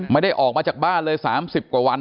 ไม่ได้ออกมาจากบ้านเลย๓๐กว่าวัน